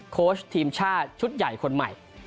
โค้ชทีมชาติชุดใหญ่คนใหม่